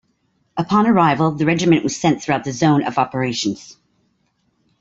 Upon arrival, the regiment was sent throughout the zone of operations.